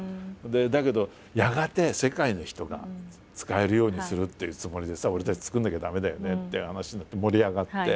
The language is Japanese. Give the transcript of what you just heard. だけどやがて世界の人が使えるようにするっていうつもりでさ俺たち作らなきゃ駄目だよねっていう話になって盛り上がって。